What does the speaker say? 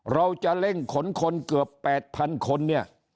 เราจะเร่งขนคนเกือบ๘๐๐๐คนเนี่ย